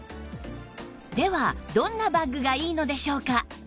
ではどんなバッグがいいのでしょうか？